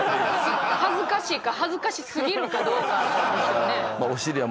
「恥ずかしい」か「恥ずかしすぎる」かどうかですよね。